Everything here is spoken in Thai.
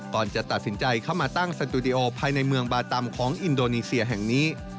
ก่อนจะตัดสินใจเข้ามาตั้งสตูดิโอภายในเมืองบาตำของอินโดนีเซียแห่งนี้